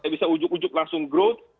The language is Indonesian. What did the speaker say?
bisa ujug ujug langsung growth